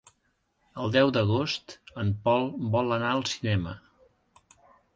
El deu d'agost en Pol vol anar al cinema.